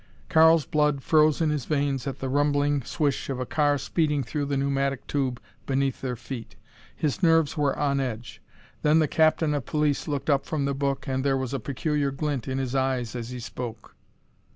Karl's blood froze in his veins at the rumbling swish of a car speeding through the pneumatic tube beneath their feet. His nerves were on edge. Then the captain of police looked up from the book and there was a peculiar glint in his eyes as he spoke.